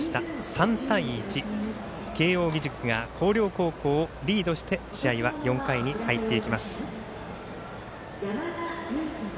３対１、慶応義塾が広陵高校をリードして試合は４回に入っていきます。